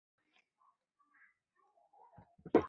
反应可能经过两个中间步骤。